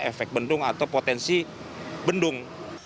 efek bendung atau potensi bendung